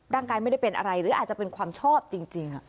ไม่ได้เป็นอะไรหรืออาจจะเป็นความชอบจริง